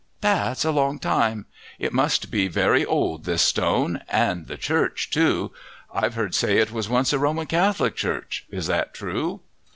"That's a long time! It must be very old, this stone. And the church too. I've heard say it was once a Roman Catholic church. Is that true?"